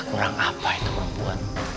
kurang apa itu membuat